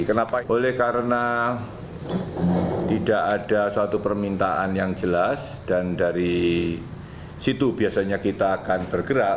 kenapa oleh karena tidak ada suatu permintaan yang jelas dan dari situ biasanya kita akan bergerak